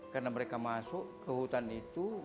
karena mereka masuk ke hutan itu